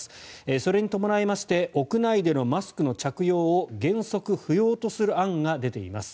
それに伴いまして屋内でのマスクの着用を原則不要とする案が出ています。